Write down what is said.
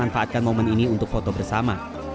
dan memanfaatkan momen ini untuk foto bersama